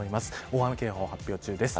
大雨警報発表中です。